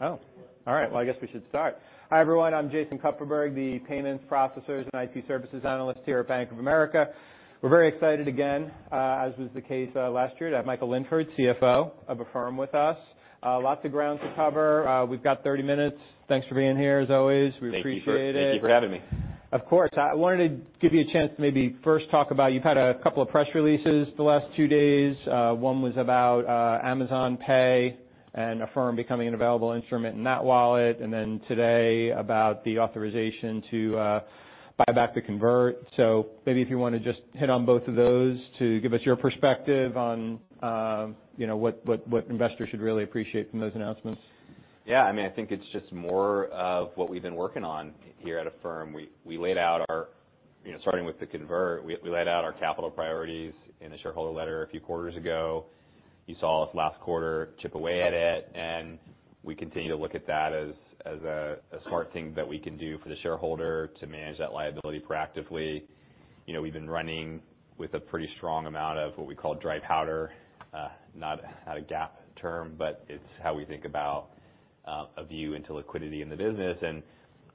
All right. Well, I guess we should start. Hi, everyone. I'm Jason Kupferberg, the Payments Processors and IT Services Analyst here at Bank of America. We're very excited again, as was the case, last year, to have Michael Linford, CFO of Affirm, with us. Lots of ground to cover. We've got 30 minutes. Thanks for being here, as always. We appreciate it. Thank you for having me. Of course. I wanted to give you a chance to maybe first talk about, you've had a couple of press releases the last two days. One was about Amazon Pay and Affirm becoming an available instrument in that wallet, and then today about the authorization to buy back the convert. Maybe if you wanna just hit on both of those to give us your perspective on, you know, what investors should really appreciate from those announcements. Yeah, I mean, I think it's just more of what we've been working on here at Affirm. You know, starting with the convert, we laid out our capital priorities in a shareholder letter a few quarters ago. You saw us last quarter chip away at it. We continue to look at that as a smart thing that we can do for the shareholder to manage that liability proactively. You know, we've been running with a pretty strong amount of what we call dry powder. Not a GAAP term, but it's how we think about a view into liquidity in the business.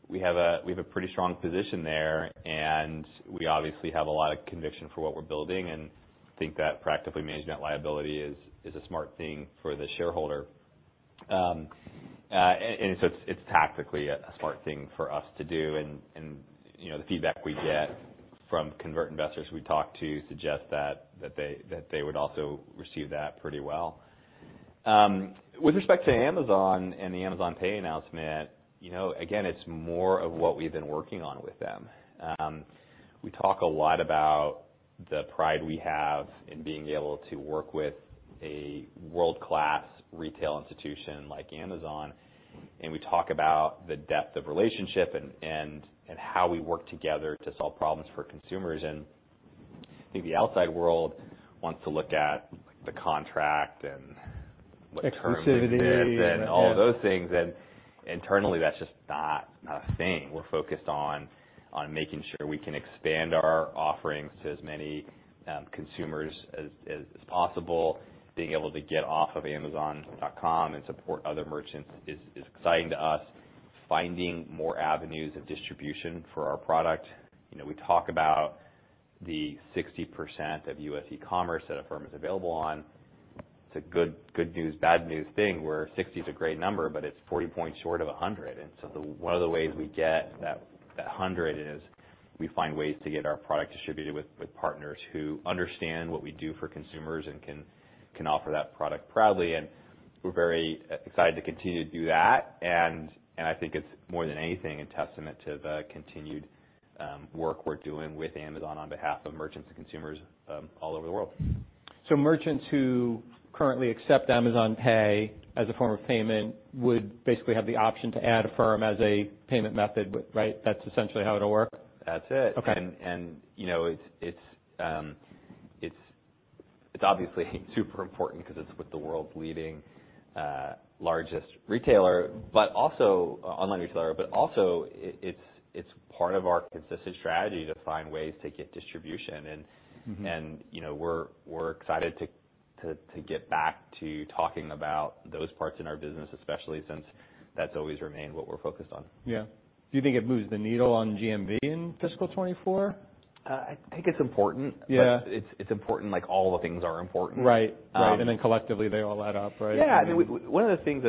We have a pretty strong position there, and we obviously have a lot of conviction for what we're building and think that practically managing that liability is a smart thing for the shareholder. It's tactically a smart thing for us to do, and, you know, the feedback we get from convert investors we talk to suggest that they would also receive that pretty well. With respect to Amazon and the Amazon Pay announcement, you know, again, it's more of what we've been working on with them. We talk a lot about the pride we have in being able to work with a world-class retail institution like Amazon, and we talk about the depth of relationship and how we work together to solve problems for consumers. I think the outside world wants to look at the contract and what terms there is exclusivity and all those things, and internally, that's just not a thing. We're focused on making sure we can expand our offerings to as many consumers as possible. Being able to get off of amazon.com and support other merchants is exciting to us. Finding more avenues of distribution for our product. You know, we talk about the 60% of U.S. e-commerce that Affirm is available on. It's a good news, bad news thing, where 60 is a great number, but it's 40 points short of 100. One of the ways we get that 100 is we find ways to get our product distributed with partners who understand what we do for consumers and can offer that product proudly. We're very excited to continue to do that, and I think it's more than anything, a testament to the continued work we're doing with Amazon on behalf of merchants and consumers all over the world. Merchants who currently accept Amazon Pay as a form of payment would basically have the option to add Affirm as a payment method with. Right? That's essentially how it'll work? That's it. You know, it's obviously super important because it's with the world's leading, largest retailer, but also online retailer, but also it's part of our consistent strategy to find ways to get distribution you know, we're excited to get back to talking about those parts in our business, especially since that's always remained what we're focused on. Yeah. Do you think it moves the needle on GMV in fiscal 2024? I think it's important. It's important, like all the things are important. Right. Right. Collectively, they all add up, right? I mean, one of the things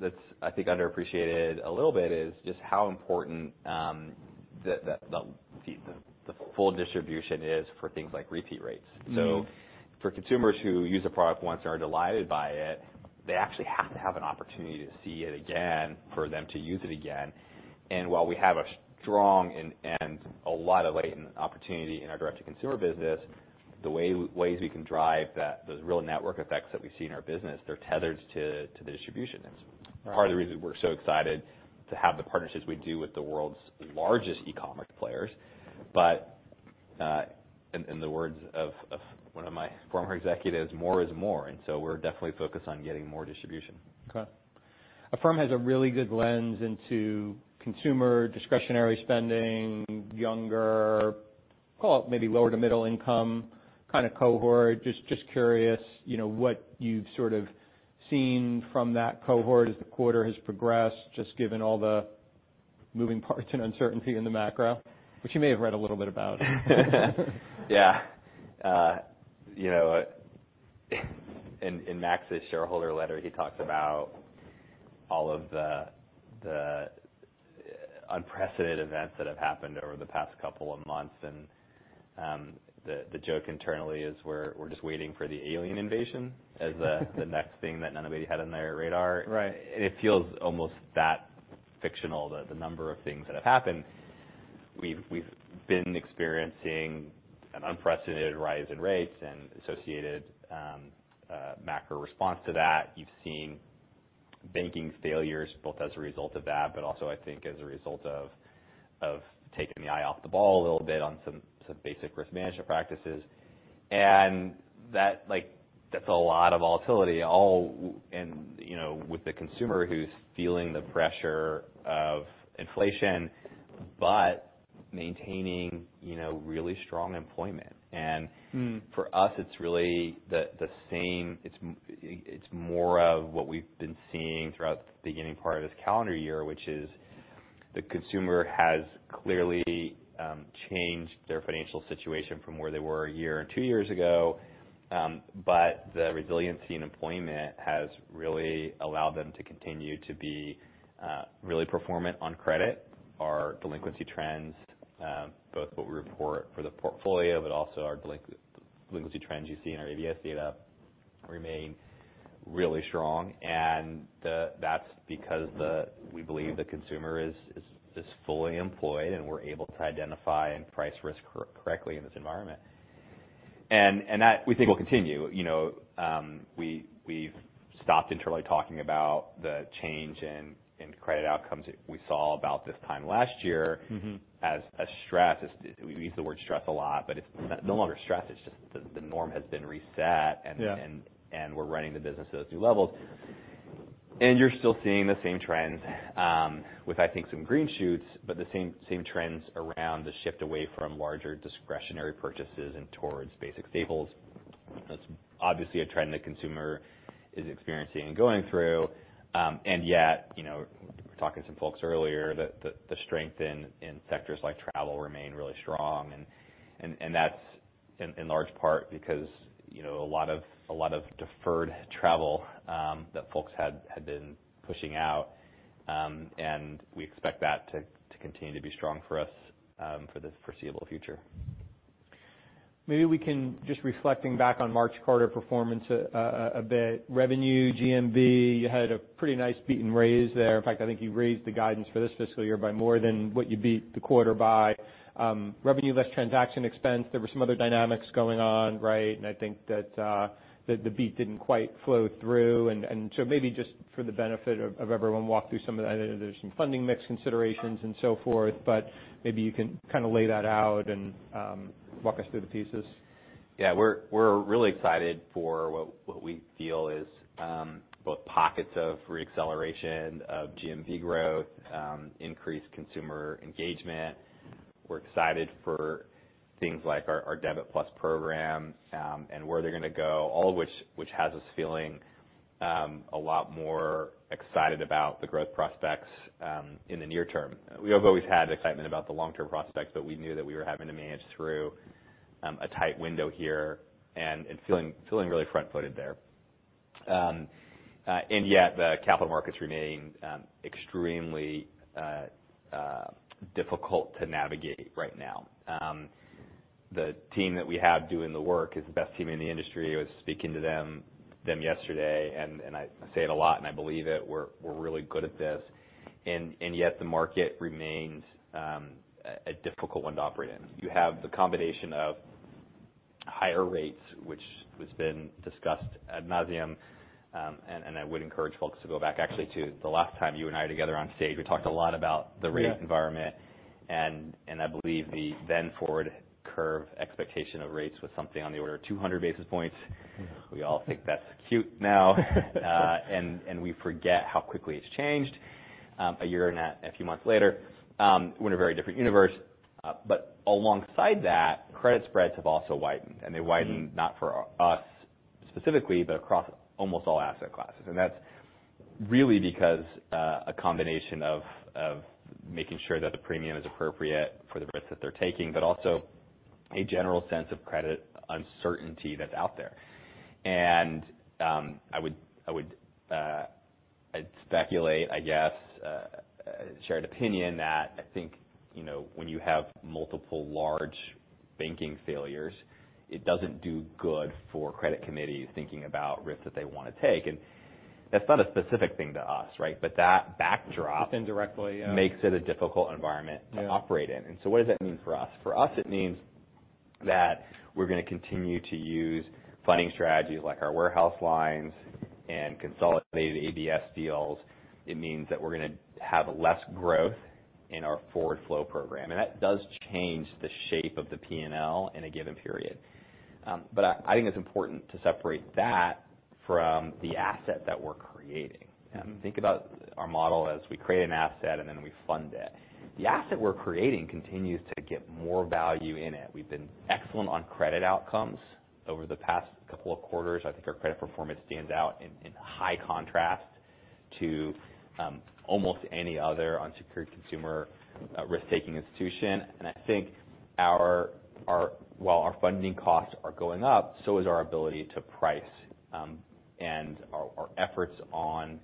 that's, I think, underappreciated a little is just how important the full distribution is for things like repeat rates. For consumers who use a product once and are delighted by it, they actually have to have an opportunity to see it again for them to use it again. While we have a strong and a lot of latent opportunity in our direct-to-consumer business, ways we can drive that, those real network effects that we see in our business, they're tethered to the distribution. Part of the reason we're so excited to have the partnerships we do with the world's largest e-commerce players. In the words of one of my former executives, "More is more," and so we're definitely focused on getting more distribution. Okay. Affirm has a really good lens into consumer discretionary spending, younger, call it maybe lower to middle income kind of cohort. Just curious, you know, what you've sort of seen from that cohort as the quarter has progressed, just given all the moving parts and uncertainty in the macro, which you may have read a little bit about. You know, in Max's shareholder letter, he talks about all of the unprecedented events that have happened over the past couple of months. The joke internally is we're just waiting for the alien invasion as the next thing that nobody had on their radar. It feels almost that fictional, the number of things that have happened. We've been experiencing an unprecedented rise in rates and associated macro response to that. You've seen banking failures, both as a result of that, but also, I think, as a result of taking the eye off the ball a little bit on some basic risk management practices. That's a lot of volatility and, you know, with the consumer who's feeling the pressure of inflation, but maintaining, you know, really strong employment. For us, it's really the same. It's more of what we've been seeing throughout the beginning part of this calendar year, which is the consumer has clearly changed their financial situation from where they were a year and two years ago. The resiliency in employment has really allowed them to continue to be really performant on credit. Our delinquency trends, both what we report for the portfolio, but also our delinquency trends you see in our ABS data remain really strong, and that's because we believe the consumer is fully employed, and we're able to identify and price risk correctly in this environment. That, we think, will continue. You know, we've stopped internally talking about the change in credit outcomes that we saw about this time last year as a stress. We use the word stress a lot, but it's no longer stress. It's just the norm has been reset and we're running the business at those new levels. You're still seeing the same trends, with I think some green shoots, but the same trends around the shift away from larger discretionary purchases and towards basic staples. That's obviously a trend the consumer is experiencing and going through. Yet, you know, talking to some folks earlier, the strength in sectors like travel remain really strong. That's in large part because, you know, a lot of deferred travel, that folks had been pushing out. We expect that to continue to be strong for us, for the foreseeable future. Maybe just reflecting back on March quarter performance a bit. Revenue, GMV, you had a pretty nice beat and raise there. In fact, I think you raised the guidance for this fiscal year by more than what you beat the quarter by. Revenue less transaction expense, there were some other dynamics going on, right? I think that the beat didn't quite flow through. Maybe just for the benefit of everyone, walk through some of that. I know there's some funding mix considerations and so forth, but maybe you can kind of lay that out and walk us through the pieces. Yeah. We're really excited for what we feel is both pockets of reacceleration of GMV growth, increased consumer engagement. We're excited for things like our Debit+ program, and where they're gonna go, all of which has us feeling a lot more excited about the growth prospects in the near term. We have always had excitement about the long-term prospects, but we knew that we were having to manage through a tight window here and feeling really front-footed there. Yet the capital markets remain extremely difficult to navigate right now. The team that we have doing the work is the best team in the industry. I was speaking to them yesterday, and I say it a lot, and I believe it, we're really good at this. Yet, the market remains a difficult one to operate in. You have the combination of higher rates, which has been discussed ad nauseam. I would encourage folks to go back actually to the last time you and I were together on stage. We talked a lot about the rate environment, and I believe the then forward curve expectation of rates was something on the order of 200 basis points. We all think that's cute now. We forget how quickly it's changed. A year and a few months later, we're in a very different universe. Alongside that, credit spreads have also widened not for us specifically, but across almost all asset classes. That's really because, a combination of making sure that the premium is appropriate for the risk that they're taking, but also a general sense of credit uncertainty that's out there. I would, I'd speculate, I guess, a shared opinion that I think, you know, when you have multiple large banking failures, it doesn't do good for credit committees thinking about risks that they wanna take. That's not a specific thing to us, right? That backdrop. Indirectly, yeah. Makes it a difficult environment to operate in. What does that mean for us? For us, it means that we're gonna continue to use funding strategies like our warehouse lines and consolidated ABS deals. It means that we're gonna have less growth in our forward flow program, and that does change the shape of the P&L in a given period. I think it's important to separate that from the asset that we're creating. Think about our model as we create an asset, and then we fund it. The asset we're creating continues to get more value in it. We've been excellent on credit outcomes over the past couple of quarters. I think our credit performance stands out in high contrast to almost any other unsecured consumer, risk-taking institution. While our funding costs are going up, so is our ability to price. Our efforts on alleviating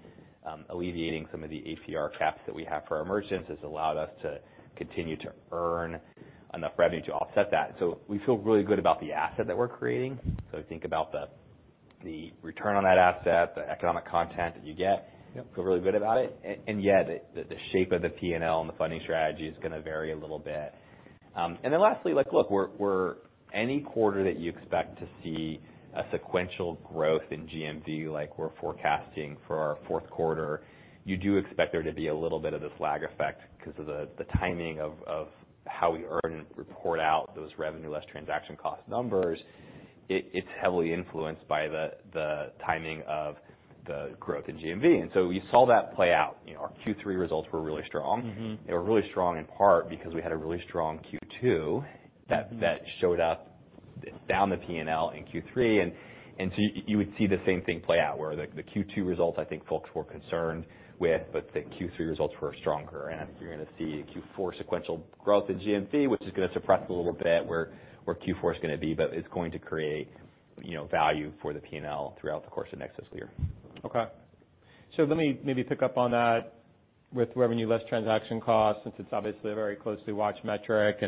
some of the APR caps that we have for our merchants has allowed us to continue to earn enough revenue to offset that. We feel really good about the asset that we're creating. I think about the return on that asset, the economic content that you get. Feel really good about it. Yet, the shape of the P&L and the funding strategy is gonna vary a little bit. Lastly, like, look, we're any quarter that you expect to see a sequential growth in GMV, like we're forecasting for our fourth quarter, you do expect there to be a little bit of this lag effect because of the timing of how we earn and report out those revenue less transaction cost numbers. It's heavily influenced by the timing of the growth in GMV. We saw that play out. You know, our Q3 results were really strong. They were really strong, in part because we had a really strong Q2 that showed up down the P&L in Q3. So you would see the same thing play out, where the Q2 results, I think folks were concerned with, but the Q3 results were stronger. I think you're gonna see Q4 sequential growth in GMV, which is gonna suppress a little bit where Q4 is gonna be, but it's going to create, you know, value for the P&L throughout the course of next this year. Let me maybe pick up on that with revenue, less transaction costs, since it's obviously a very closely watched metric.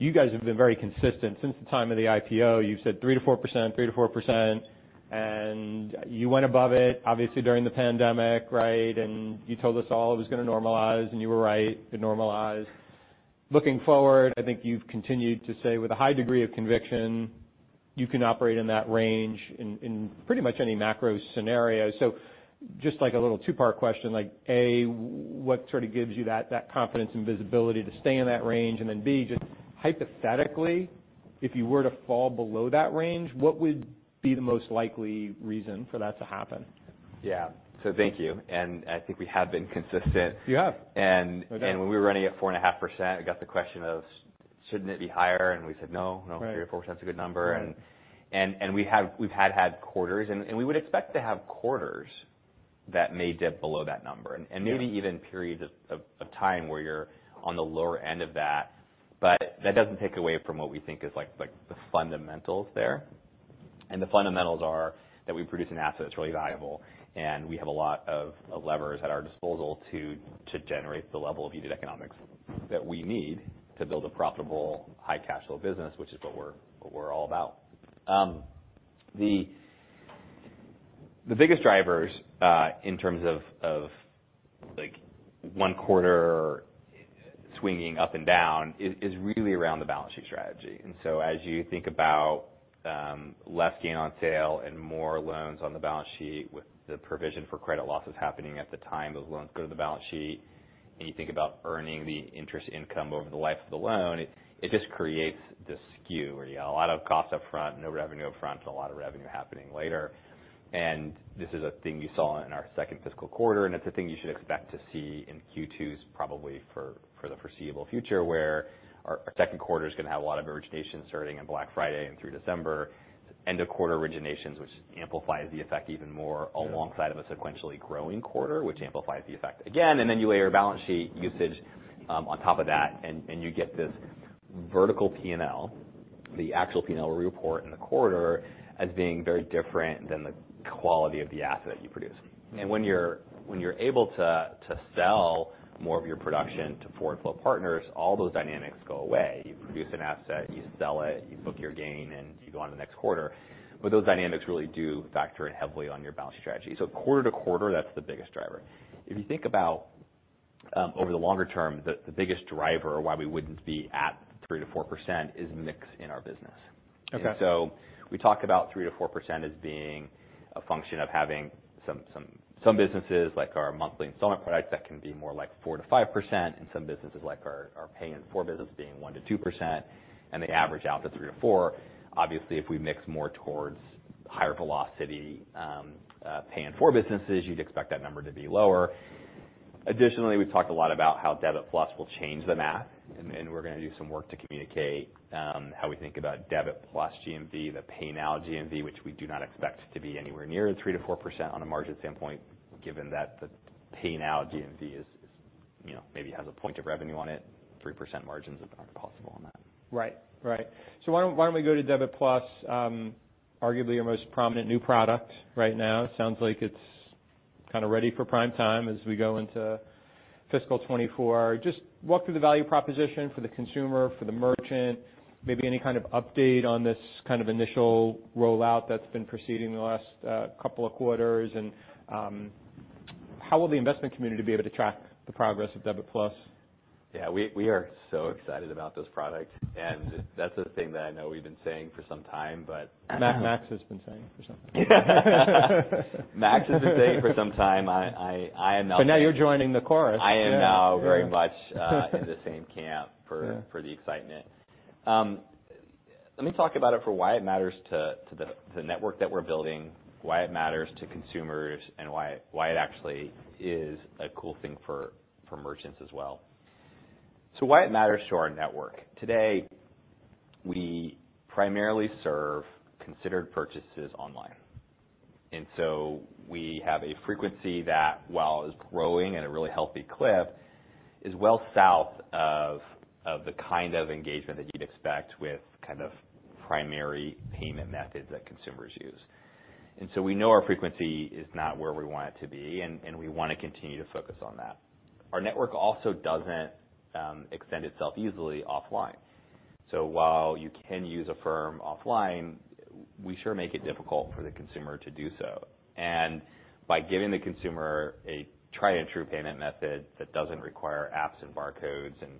You guys have been very consistent. Since the time of the IPO, you've said 3%-4%, 3%-4%, and you went above it, obviously, during the pandemic, right? You told us all it was gonna normalize, and you were right, it normalized. Looking forward, I think you've continued to say, with a high degree of conviction, you can operate in that range in pretty much any macro scenario. Just like a little two-part question, like, A, what sort of gives you that confidence and visibility to stay in that range? B, just hypothetically, if you were to fall below that range, what would be the most likely reason for that to happen? Yeah. Thank you. I think we have been consistent. You have. And when we were running at 4.5%, I got the question of, "Shouldn't it be higher?" We said, "No, no. Three or four %'s a good number. We've had quarters, and we would expect to have quarters that may dip below that number and maybe even periods of time where you're on the lower end of that. That doesn't take away from what we think is like the fundamentals there. The fundamentals are that we produce an asset that's really valuable, and we have a lot of levers at our disposal to generate the level of unit economics that we need to build a profitable, high-cash flow business, which is what we're all about. The biggest drivers in terms of, like, one quarter swinging up and down is really around the balance sheet strategy. As you think about less gain on sale and more loans on the balance sheet, with the provision for credit losses happening at the time those loans go to the balance sheet, and you think about earning the interest income over the life of the loan, it just creates this skew where you got a lot of cost up front, no revenue up front, and a lot of revenue happening later. This is a thing you saw in our second fiscal quarter, and it's a thing you should expect to see in Q2s, probably for the foreseeable future, where our second quarter is gonna have a lot of origination starting on Black Friday and through December. End-of-quarter originations, which amplifies the effect even more alongside of a sequentially growing quarter, which amplifies the effect again. You layer balance sheet usage on top of that, and you get this vertical P&L. The actual P&L we report in the quarter as being very different than the quality of the asset you produce. When you're able to sell more of your production to forward flow partners, all those dynamics go away. You produce an asset, you sell it, you book your gain, and you go on to the next quarter. Those dynamics really do factor in heavily on your balance strategy. Quarter to quarter, that's the biggest driver. If you think about over the longer term, the biggest driver of why we wouldn't be at 3%-4% is mix in our business. Okay. We talk about 3%-4% as being a function of having some businesses, like our monthly installment products, that can be more like 4%-5%, and some businesses, like our Pay in 4 business, being 1%-2%, and they average out to 3%-4%. Obviously, if we mix more towards higher velocity, Pay in 4 businesses, you'd expect that number to be lower. Additionally, we've talked a lot about how Debit+ will change the math, and we're gonna do some work to communicate how we think about Debit+ GMV, the Pay Now GMV, which we do not expect to be anywhere near the 3%-4% on a margin standpoint, given that the Pay Now GMV is, you know, maybe has a point of revenue on it. 3% margins are possible on that. Right. Why don't we go to Debit+? Arguably, your most prominent new product right now. Sounds like it's kind of ready for prime time as we go into fiscal 2024. Just walk through the value proposition for the consumer, for the merchant. Maybe any kind of update on this kind of initial rollout that's been proceeding the last couple of quarters. How will the investment community be able to track the progress of Debit+? Yeah, we are so excited about this product. That's the thing that I know we've been saying for some time. Max has been saying it for some time. Max has been saying it for some time. I am now. Now you're joining the chorus. I am now very much, in the same camp for the excitement. Let me talk about it for why it matters to the network that we're building, why it matters to consumers, and why it actually is a cool thing for merchants as well. Why it matters to our network. Today, we primarily serve considered purchases online, we have a frequency that, while it's growing at a really healthy clip, is well south of the kind of engagement that you'd expect with kind of primary payment methods that consumers use. We know our frequency is not where we want it to be, and we wanna continue to focus on that. Our network also doesn't extend itself easily offline. While you can use Affirm offline, we sure make it difficult for the consumer to do so. By giving the consumer a tried-and-true payment method that doesn't require apps and barcodes and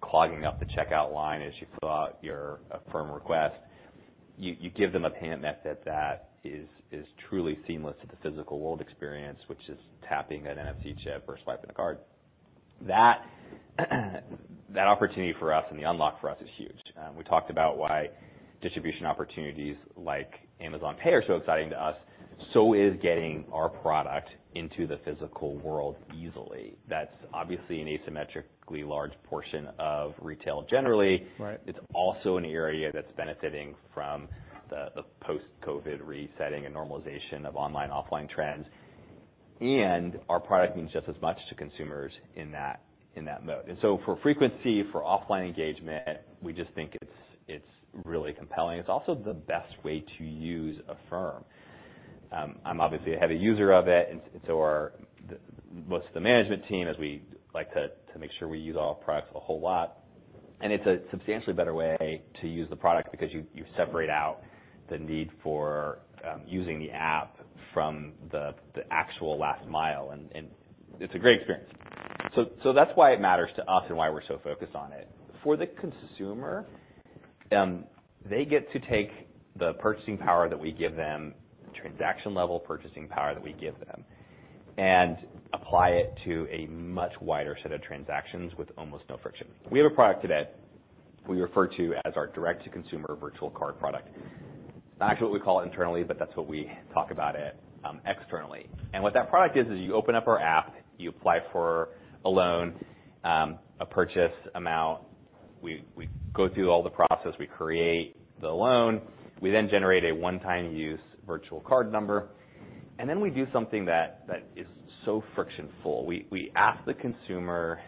clogging up the checkout line as you fill out your Affirm request, you give them a payment method that is truly seamless to the physical world experience, which is tapping an NFC chip or swiping a card. That opportunity for us and the unlock for us is huge. We talked about why distribution opportunities like Amazon Pay are so exciting to us, so is getting our product into the physical world easily. That's obviously an asymmetrically large portion of retail generally. Right. It's also an area that's benefiting from the post-COVID resetting and normalization of online, offline trends. Our product means just as much to consumers in that, in that mode. For frequency, for offline engagement, we just think it's really compelling. It's also the best way to use Affirm. I'm obviously a heavy user of it, and so are most of the management team, as we like to make sure we use all our products a whole lot. It's a substantially better way to use the product because you separate out the need for using the app from the actual last mile, and it's a great experience. That's why it matters to us and why we're so focused on it. For the consumer, they get to take the purchasing power that we give them, the transaction-level purchasing power that we give them, and apply it to a much wider set of transactions with almost no friction. We have a product today we refer to as our direct-to-consumer virtual card product. It's not actually what we call it internally, but that's what we talk about it, externally. What that product is you open up our app, you apply for a loan, a purchase amount. We go through all the process. We create the loan. We then generate a one-time use virtual card number, and then we do something that is so friction full. We ask the consumer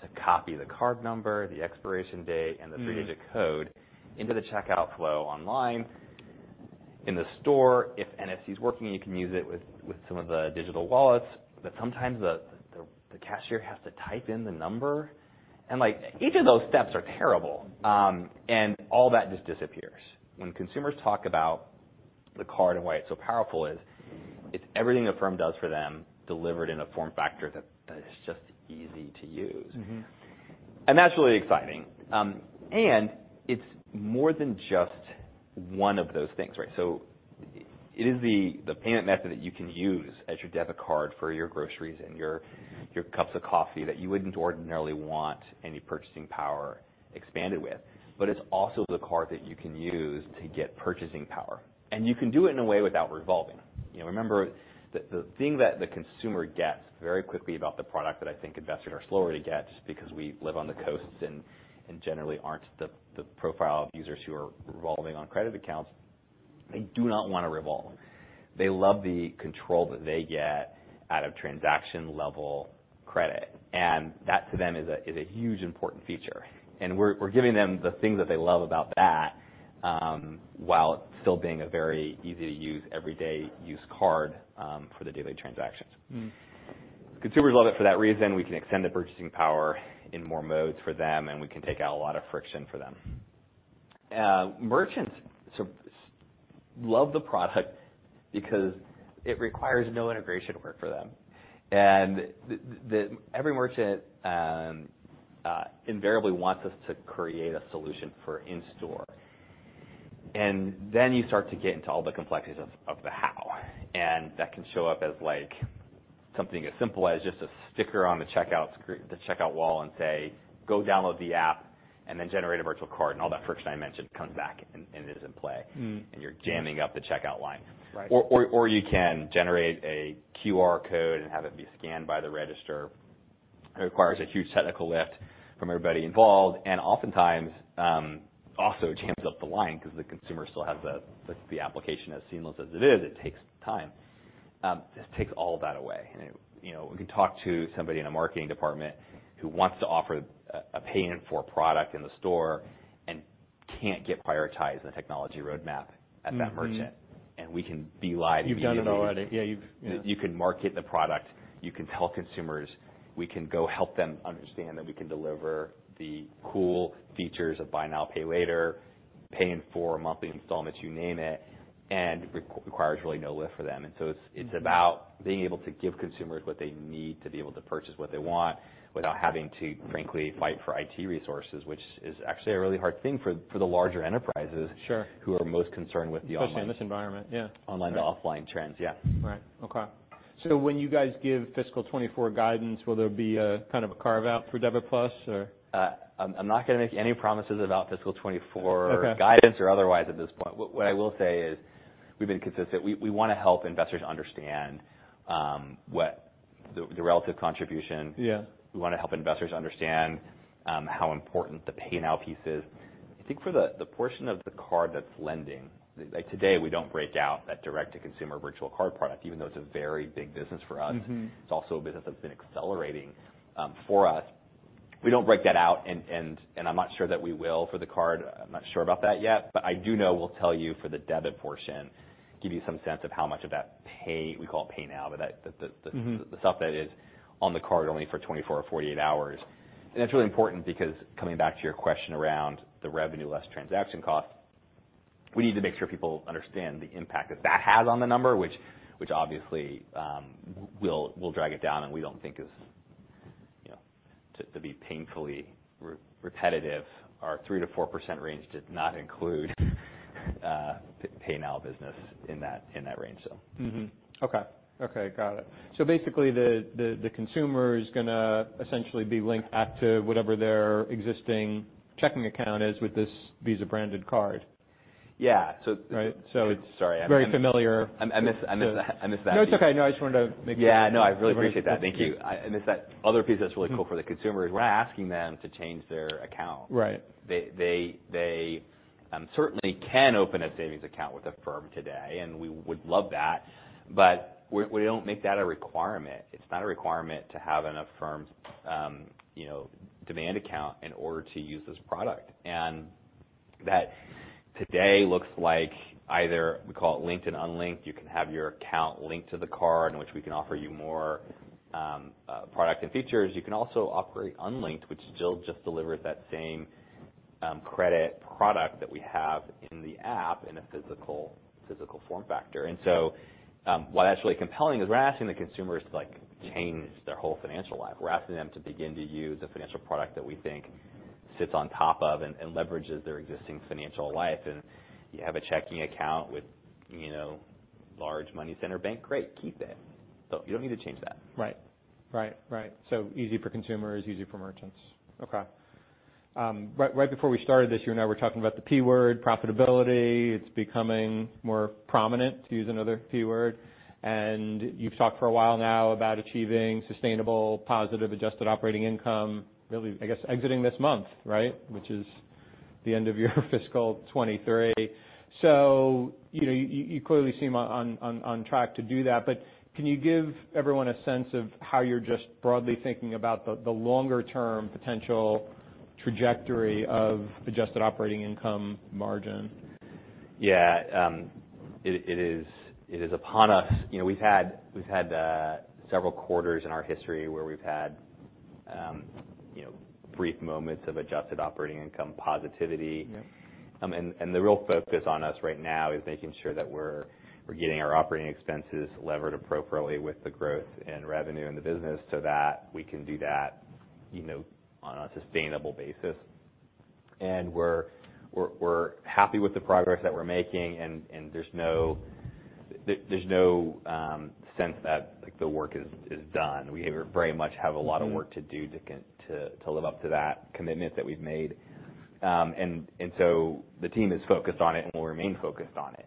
to copy the card number, the expiration date and the three-digit code into the checkout flow online. In the store, if NFC's working, you can use it with some of the digital wallets, but sometimes the cashier has to type in the number. Like, each of those steps are terrible, all that just disappears. When consumers talk about the card and why it's so powerful is, it's everything Affirm does for them, delivered in a form factor that is just easy to use. That's really exciting. It's more than just one of those things, right? It is the payment method that you can use as your debit card for your groceries and your cups of coffee that you wouldn't ordinarily want any purchasing power expanded with. It's also the card that you can use to get purchasing power, and you can do it in a way without revolving. You know, remember, the thing that the consumer gets very quickly about the product that I think investors are slower to get, just because we live on the coasts and generally aren't the profile of users who are revolving on credit accounts, they do not want to revolve. They love the control that they get out of transaction-level credit. That to them is a huge, important feature. We're giving them the things that they love about that, while still being a very easy-to-use, everyday use card, for the daily transactions. Consumers love it for that reason. We can extend the purchasing power in more modes for them. We can take out a lot of friction for them. Merchants sort of love the product because it requires no integration work for them. Every merchant invariably wants us to create a solution for in-store. Then you start to get into all the complexities of the how, and that can show up as like something as simple as just a sticker on the checkout wall, and say, "Go download the app," and then generate a virtual card, and all that friction I mentioned comes back and is in play. You're jamming up the checkout line. Right. You can generate a QR code and have it be scanned by the register. It requires a huge technical lift from everybody involved, and oftentimes also jams up the line because the consumer still has the the application, as seamless as it is, it takes time. This takes all that away. It, you know, we can talk to somebody in a marketing department who wants to offer a payment for a product in the store and can't get prioritized in the technology roadmap at that merchant. Mm-hmm. We can be live immediately. You've done it already. Yeah, you can market the product, you can tell consumers, we can go help them understand that we can deliver the cool features of buy now, pay later, paying for monthly installments, you name it, and requires really no lift for them. It's about being able to give consumers what they need to be able to purchase what they want without having to, frankly, fight for I.T. resources, which is actually a really hard thing for the larger enterprises who are most concerned with the online Especially in this environment, yeah. Online to offline trends. Yeah. Right. Okay. When you guys give fiscal 2024 guidance, will there be a kind of a carve-out for Debit+? I'm not going to make any promises about fiscal 2024 guidance or otherwise at this point. What I will say is, we've been consistent. We want to help investors understand, what the relative contribution. We want to help investors understand, how important the Pay Now piece is. I think for the portion of the card that's lending. Like today, we don't break out that direct-to-consumer virtual card product, even though it's a very big business for us. It's also a business that's been accelerating for us. We don't break that out, and I'm not sure that we will for the card. I'm not sure about that yet, but I do know we'll tell you for the debit portion, give you some sense of how much of that Pay Now, but the stuff that is on the card only for 24 or 48 hours. That's really important because coming back to your question around the revenue less transaction cost, we need to make sure people understand the impact that that has on the number, which obviously will drag it down and we don't think is negative. To be painfully repetitive, our 3%-4% range did not include Pay Now business in that range. Mm-hmm. Okay. Okay, got it. Basically, the consumer is gonna essentially be linked up to whatever their existing checking account is with this Visa-branded card? Yeah. Right. Sorry. Very familiar. I missed that. I missed that piece. No, it's okay. No, I just wanted to make sure. Yeah. No, I really appreciate that. Thank you. It's that other piece that's really cool for the consumer is we're not asking them to change their account. Right. They certainly can open a savings account with Affirm today, we would love that, we don't make that a requirement. It's not a requirement to have an Affirm, you know, demand account in order to use this product. That today looks like either we call it linked and unlinked. You can have your account linked to the card in which we can offer you more product and features. You can also operate unlinked, which still just delivers that same credit product that we have in the app in a physical form factor. What's actually compelling is we're not asking the consumers to, like, change their whole financial life. We're asking them to begin to use a financial product that we think sits on top of and leverages their existing financial life. You have a checking account with, you know, large money center bank, great, keep it. You don't need to change that. Right. Right, right. Easy for consumers, easy for merchants. Okay. Right, right before we started this, you and I were talking about the P word, profitability. It's becoming more prominent, to use another P word, and you've talked for a while now about achieving sustainable positive adjusted operating income, really, I guess, exiting this month, right? Which is the end of your fiscal 2023. You know, you clearly seem on track to do that, but can you give everyone a sense of how you're just broadly thinking about the longer-term potential trajectory of adjusted operating income margin? It is upon us. You know, we've had several quarters in our history where we've had, you know, brief moments of adjusted operating income positivity. The real focus on us right now is making sure that we're getting our operating expenses levered appropriately with the growth in revenue in the business so that we can do that, you know, on a sustainable basis. We're happy with the progress that we're making, and there's no. There's no sense that, like, the work is done. We very much have a lot of work to do to live up to that commitment that we've made. The team is focused on it and will remain focused on it.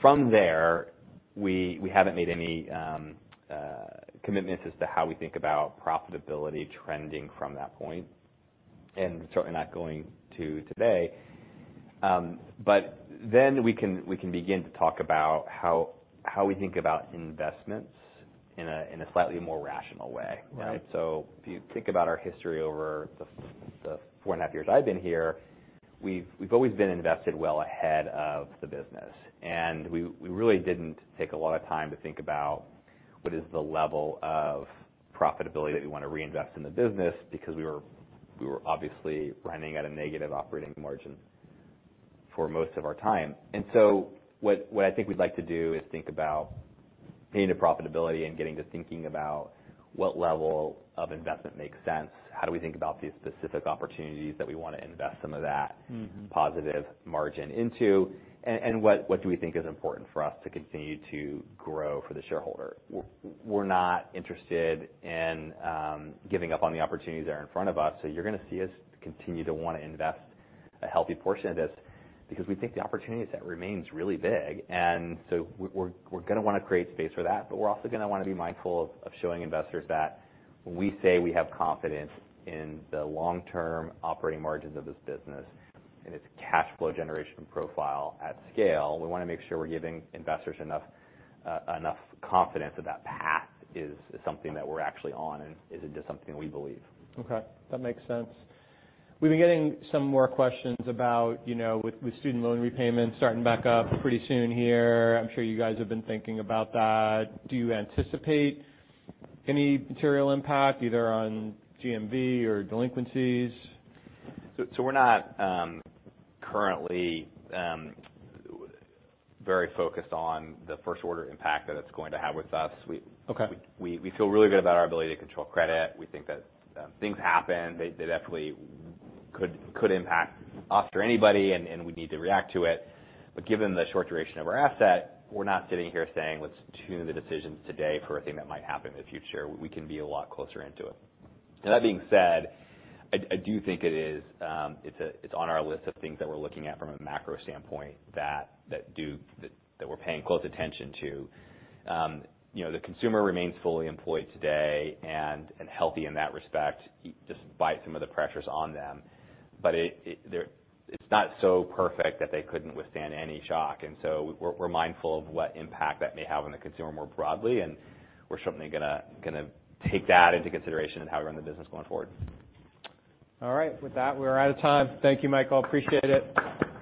From there, we haven't made any commitments as to how we think about profitability trending from that point, and certainly not going to today. We can begin to talk about how we think about investments in a slightly more rational way, right? If you think about our history over the 4.5 years I've been here, we've always been invested well ahead of the business, and we really didn't take a lot of time to think about what is the level of profitability that we want to reinvest in the business, because we were obviously running at a negative operating margin for most of our time. What I think we'd like to do is think about getting to profitability and getting to thinking about what level of investment makes sense, how do we think about these specific opportunities that we wanna invest some of that positive margin into, and what do we think is important for us to continue to grow for the shareholder. We're not interested in giving up on the opportunities that are in front of us, so you're gonna see us continue to wanna invest a healthy portion of this because we think the opportunities set remains really big. We're gonna wanna create space for that, but we're also gonna wanna be mindful of showing investors that when we say we have confidence in the long-term operating margins of this business and its cash flow generation profile at scale, we wanna make sure we're giving investors enough confidence that that path is something that we're actually on and isn't just something we believe. Okay, that makes sense. We've been getting some more questions about, you know, with student loan repayments starting back up pretty soon here. I'm sure you guys have been thinking about that. Do you anticipate any material impact, either on GMV or delinquencies? We're not currently very focused on the first-order impact that it's going to have with us. We feel really good about our ability to control credit. We think that things happen. They definitely could impact us or anybody, and we'd need to react to it. Given the short duration of our asset, we're not sitting here saying, "Let's tune the decisions today for a thing that might happen in the future." We can be a lot closer into it. That being said, I do think it is, it's on our list of things that we're looking at from a macro standpoint, that we're paying close attention to. You know, the consumer remains fully employed today and healthy in that respect, despite some of the pressures on them. It's not so perfect that they couldn't withstand any shock, and so we're mindful of what impact that may have on the consumer more broadly, and we're certainly gonna take that into consideration in how we run the business going forward. All right. With that, we're out of time. Thank you, Michael. Appreciate it.